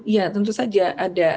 ya tentu saja ada